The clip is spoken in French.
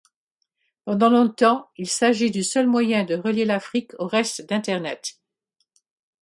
Pendant longtemps, il s'agit du seul moyen de relier l'Afrique au reste d'Internet.